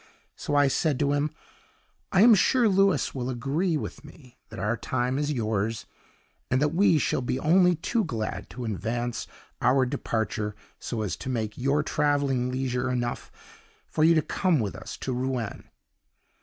So I said to him, 'I am sure Louis will agree with me that our time is yours, and that we shall be only too glad to advance our departure so as to make traveling leisure enough for you to come with us to Rouen.